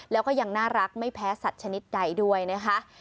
แล้วก็ยังน่ารักไม่แพ้สัตว์ชนิดใดด้วยนะคะ